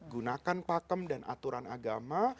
gunakan pakem dan aturan agama